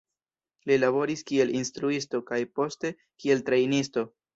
Li laboris kiel instruisto kaj poste kiel trejnisto.